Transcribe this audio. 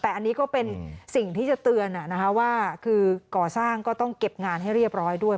แต่อันนี้ก็เป็นสิ่งที่จะเตือนว่าคือก่อสร้างก็ต้องเก็บงานให้เรียบร้อยด้วย